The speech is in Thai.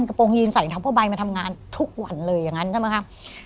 กระโปรงยิงใส่ทั้งพ่อใบมาทำงานทุกวันเลยอย่างนั้นใช่ไหมฮะ